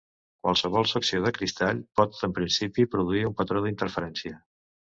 Qualsevol secció de cristall pot, en principi, produir un patró d'interferència.